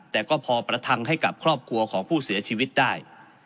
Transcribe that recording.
แต่ก็พอประทังให้กับครอบครัวของผู้เสียชีวิตได้